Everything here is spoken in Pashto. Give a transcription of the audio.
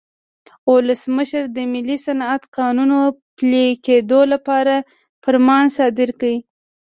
ولسمشر د ملي صنعت قانون پلي کېدو لپاره فرمان صادر کړ.